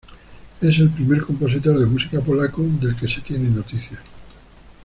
Es el primer compositor de música polaco del que se tiene noticia.